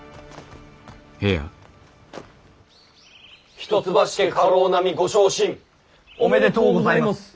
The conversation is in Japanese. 一橋家家老並ご昇進おめでとうございます。